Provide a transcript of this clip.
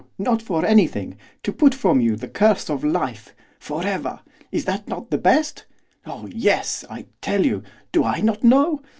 not for anything, to put from you the curse of life, forever! is that not the best? Oh yes! I tell you! do I not know?